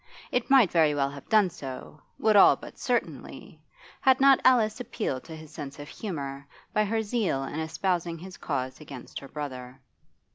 It might very well have done so, would all but certainly, had not Alice appealed to his sense of humour by her zeal in espousing his cause against her brother.